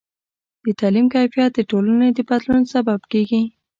د تعلیم کیفیت د ټولنې د بدلون سبب کېږي.